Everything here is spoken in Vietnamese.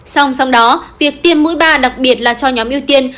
song song đó việc tiêm mũi ba đặc biệt là cho nhóm ưu tiên